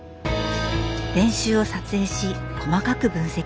練習を撮影し細かく分析。